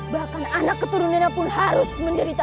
bahkan anak keturunannya pun harus menderita